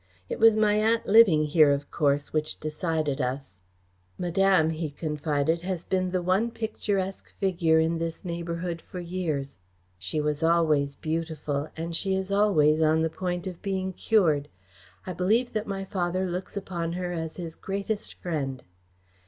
"It was my aunt living here, of course, which decided us." "Madame," he confided, "has been the one picturesque figure in this neighbourhood for years. She was always beautiful, and she is always on the point of being cured. I believe that my father looks upon her as his greatest friend."